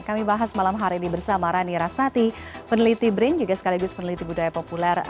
kami bahas malam hari ini bersama rani rastati peneliti brin juga sekaligus peneliti budaya populer